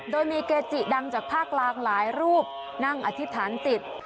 โดยมีเกจิดังจากภาคกลางหลายรูปนั่งอธิษฐานจิต